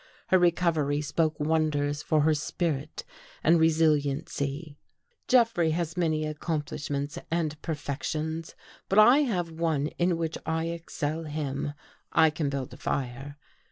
Her recovery spoke wonders for her spirit and resiliency. Jeffrey has many accomplishments and perfec tions, but I have one in which I excel him. I can build a fire.